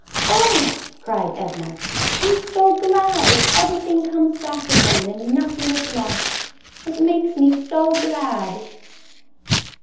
^^Oh!" cried Edna, ^Tm so glad that every thing comes back again and nothing is lost! It makes me so glad!"